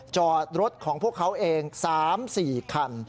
จอดรถของพวกเขาเอง๓๔คัน